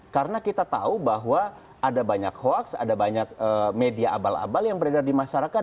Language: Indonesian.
karena kita tahu bahwa ada banyak hoax ada banyak media abal abal yang beredar di masyarakat